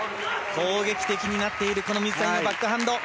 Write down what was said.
攻撃的になっている水谷のバックハンド。